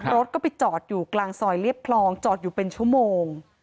รถก็ไปจอดอยู่กลางซอยเรียบคลองจอดอยู่เป็นชั่วโมง